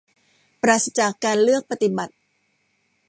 ปราศจากการเลือกปฏิบัติ